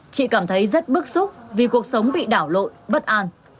chị cảm thấy rất bức xúc vì cuộc sống bị đảo lộn bất an